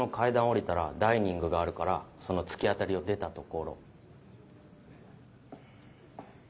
下りたらダイニングがあるからその突き当たりを出た所。